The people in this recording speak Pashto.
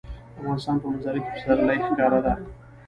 د افغانستان په منظره کې پسرلی ښکاره ده.